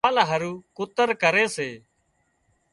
مال هارو ڪُتر ڪري سي